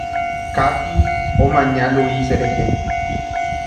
Katie omaña Luis rehe.